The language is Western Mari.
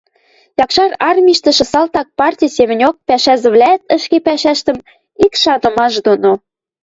Якшар Армиштӹшӹ салтак партьы семӹньок пӓшӓзӹвлӓӓт ӹшке пӓшӓштӹм ик шанымаш доно